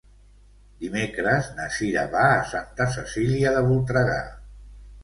Dimecres na Cira va a Santa Cecília de Voltregà.